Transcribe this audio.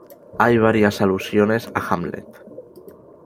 Hay varias alusiones a Hamlet.